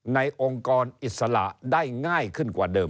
องค์กรอิสระได้ง่ายขึ้นกว่าเดิม